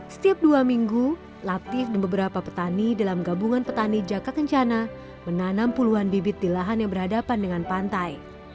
setiap dua minggu latif dan beberapa petani dalam gabungan petani jaka kencana menanam puluhan bibit di lahan yang berhadapan dengan pantai